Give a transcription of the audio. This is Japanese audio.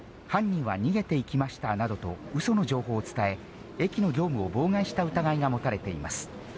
犯人は逃げていきましたなどと、うその情報を伝え、駅の業務を妨害した疑いが持たれています。